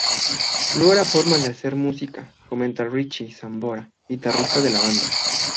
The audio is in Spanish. No era forma de hacer música", comenta Richie Sambora, guitarrista de la banda.